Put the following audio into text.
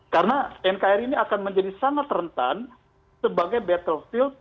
karena nkri ini akan menjadi sangat rentan sebagai battlefield